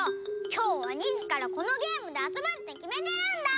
きょうは２じからこのゲームであそぶってきめてるんだ！